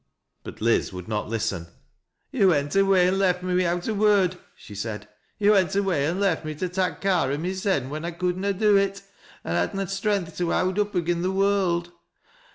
But Liz would not listen. ■ Yo' went away an' left me wi'out a word," she said ;" yo' went away an' left me to tak' care o' mysen when ] could na do it, an' had na strength to howd up agen th' world.